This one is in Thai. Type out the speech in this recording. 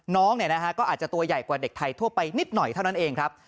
น้องก็อาจจะตัวใหญ่กว่าเด็กไทยทั่วไปนิดหน่อยเท่านั้นเองครับ